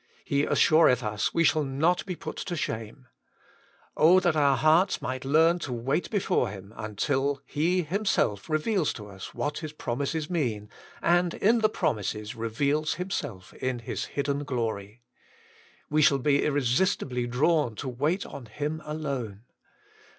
He assureth us we shall not be put to shame. Oh that our hearts WAITING ON GODt 107 might learn to wait before Him, until He Him self reveals to us what His promises mean, and in the promises reveals Himself in His hidden glory 1 We shall be irresistibly drawn to wait on Him alone.